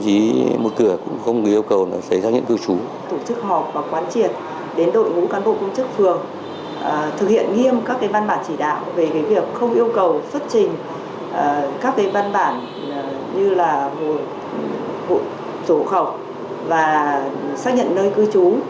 về việc không yêu cầu xuất trình các văn bản như hộ khẩu và xác nhận nơi cư trú